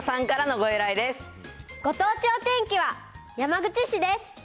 ご当地お天気は山口市です。